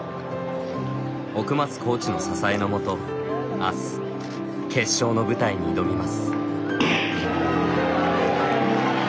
奥松コーチの支えのもとあす、決勝の舞台に挑みます。